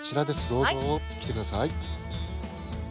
どうぞ。来て下さい。